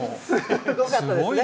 すごかったですね。